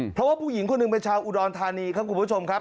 เพราะว่าผู้หญิงคนหนึ่งเป็นชาวอุดรธานีครับคุณผู้ชมครับ